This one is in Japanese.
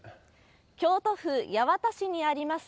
京都府八幡市にあります